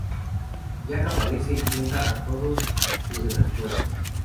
Jack aparece y cuenta a todos lo de las cuevas.